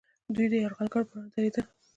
دوی د یرغلګرو پر وړاندې دریدل